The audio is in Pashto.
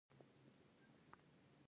ایا زه باید په کور کې کار وکړم؟